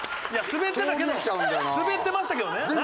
スベってましたけどね。